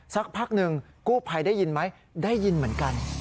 สักพักหนึ่งกู้ภัยได้ยินไหมได้ยินเหมือนกัน